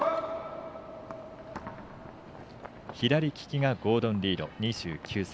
左利きがゴードン・リード２９歳。